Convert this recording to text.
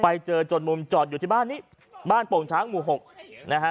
ไปเจอจนมุมจอดอยู่ที่บ้านนี้บ้านโป่งช้างหมู่หกนะฮะ